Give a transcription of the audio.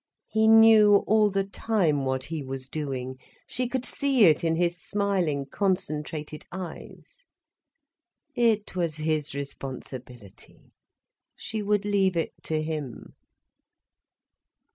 He knew all the time what he was doing, she could see it in his smiling, concentrated eyes. It was his responsibility, she would leave it to him.